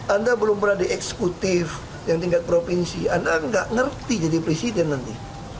anda belum pernah di eksekutif yang tingkat provinsi anda nggak ngerti jadi presiden nanti